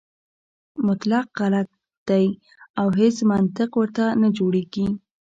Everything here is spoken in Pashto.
مطلق غلط دی او هیڅ منطق ورته نه جوړېږي.